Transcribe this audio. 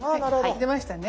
出ましたね。